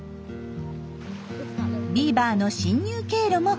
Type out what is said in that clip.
ビーバーの侵入経路も確認。